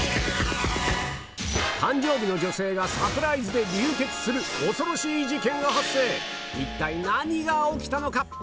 誕生日の女性がサプライズで流血する恐ろしい事件が発生一体何が起きたのか？